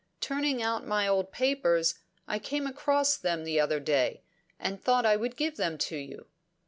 Turning out my old papers, I came across them the other day, and thought I would give them to you."